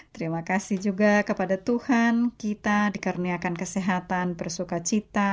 terima kasih juga kepada tuhan kita dikarenakan kesehatan bersuka cita